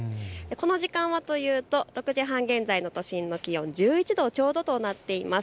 この時間はというと６時半現在の都心の気温、１１度ちょうどとなっています。